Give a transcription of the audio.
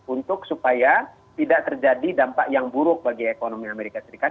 untuk supaya tidak terjadi dampak yang buruk bagi ekonomi amerika serikat